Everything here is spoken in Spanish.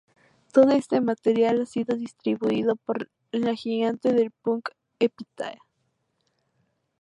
Todo este material ha sido distribuido por la gigante del punk Epitaph.